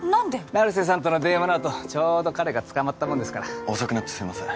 成瀬さんとの電話のあとちょうど彼がつかまったもんですから遅くなってすいません